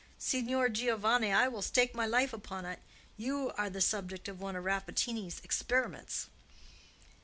Signor Giovanni, I will stake my life upon it, you are the subject of one of Rappaccini's experiments!"